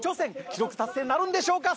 記録達成なるんでしょうか。